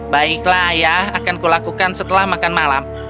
baiklah ayah akan kulakukan setelah makan malam